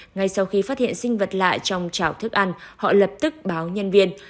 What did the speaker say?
ngay sau khi phát hiện sinh vật lạ trong chảo thức ăn họ lập tức báo nhân viên